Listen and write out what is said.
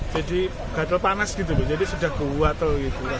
jadi gatal panas gitu jadi sudah gatal